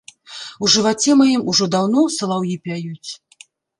У жываце маім ужо даўно салаўі пяюць.